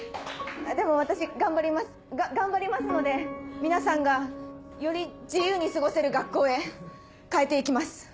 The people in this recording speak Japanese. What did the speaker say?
でも私頑張りますが頑張りますので皆さんがより自由に過ごせる学校へ変えていきます。